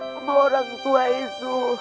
sama orang tua itu